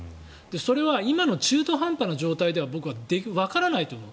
それは今の中途半端な状態では僕はわからないと思う。